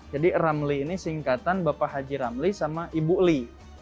jadi ramli ini singkatan bapak haji ramli sama ibu li